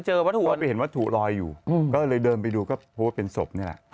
วัตถุก็ไปเห็นวัตถุลอยอยู่ก็เลยเดินไปดูก็พบว่าเป็นศพนี่แหละ